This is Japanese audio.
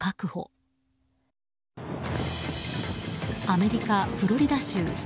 アメリカ・フロリダ州。